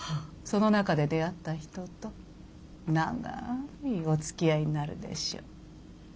その中で出会った人と長いおつきあいになるでしょう。